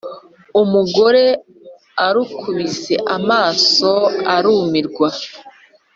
Umugore arukubise amaso arumirwa,